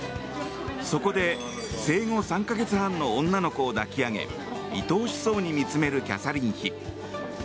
そこで、生後３か月半の女の子を抱き上げいとおしそうに見つめるキャサリン妃。